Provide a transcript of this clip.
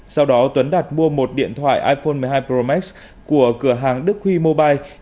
sau đó tuấn đặt mua một điện thoại iphone một mươi hai pro max của cửa hàng đức huy mobile